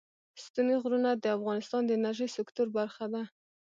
ستوني غرونه د افغانستان د انرژۍ سکتور برخه ده.